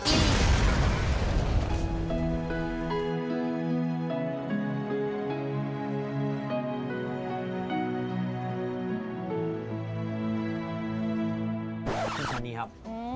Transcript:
ชื่อชันนี้ครับ